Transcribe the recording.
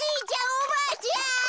おばあちゃん。